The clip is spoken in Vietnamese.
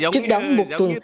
trước đóng một tuần